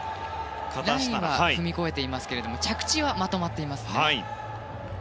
ラインは踏み越えていますけれども着地はまとまっていますね。